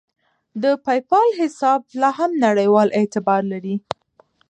د پیپال حساب لاهم نړیوال اعتبار لري.